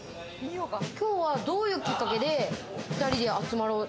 きょうはどういうきっかけで２人で集まろうと？